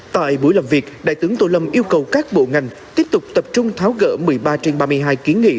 tại buổi làm việc đại tướng tô lâm yêu cầu các bộ ngành tiếp tục tập trung tháo gỡ một mươi ba trên ba mươi hai kiến nghị